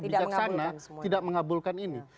bijaksana tidak mengabulkan ini